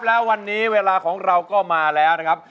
แล้ววันนี้เวลาของเราก็มาแล้วนะครับ